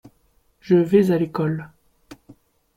Je vais à l’école.